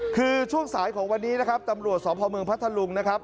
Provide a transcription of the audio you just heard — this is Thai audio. คือช่วงสายของวันนี้นะครับตำรวจสพเมืองพัทธลุงนะครับ